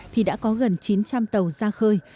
thì đã có gần chín trăm linh tàu ra khơi